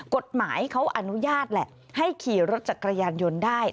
กฎหมายเขาอนุญาตแหละให้ขี่รถจักรยานยนต์ได้